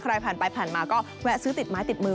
ใครผ่านไปผ่านมาก็แวะซื้อติดไม้ติดมือ